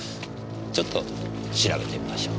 ちょっと調べてみましょう。